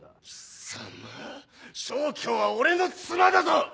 貴様小喬は俺の妻だぞ！